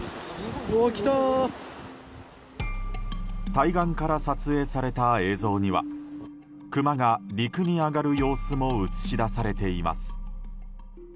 対岸から撮影された映像にはクマが陸に上がる様子も映し出されています。